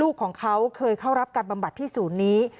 ลูกของเขาเคยเข้ารับการบำบัดที่ศูนย์นี้